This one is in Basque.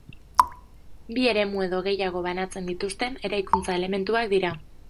Bi eremu edo gehiago banatzen dituzten eraikuntza-elementuak dira.